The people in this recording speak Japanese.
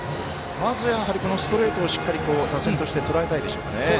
まずは、ストレートをしっかり打線としてとらえたいでしょうかね。